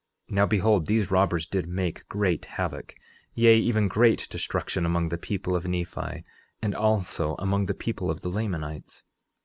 11:27 Now behold, these robbers did make great havoc, yea, even great destruction among the people of Nephi, and also among the people of the Lamanites.